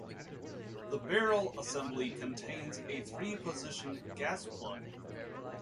The barrel assembly contains a three position gas plug.